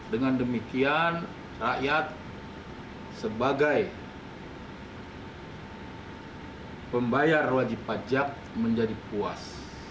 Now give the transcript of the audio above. dengan demikian rakyat sebagai pembayar wajib pajak menjadi puas